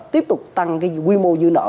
tiếp tục tăng cái quy mô dư nợ